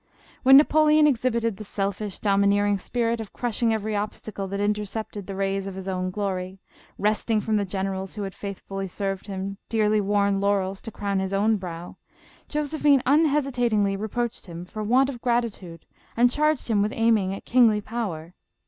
When Napoleon exhibited the selfish, domineering spirit of crushing every obstacle that intercepted the rays of his own glory, wresting from the generals who had faithfully served him, dearly won laurels to crown his own brow, Josephine unhesitatingly reproached him for want of gratitude, and charged him with aim ing at kingly power.